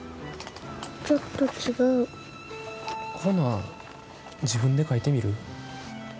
ほな、自分で書いてみる？